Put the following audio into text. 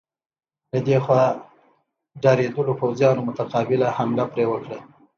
له دې خوا ډارېدلو پوځیانو متقابله حمله پرې وکړه.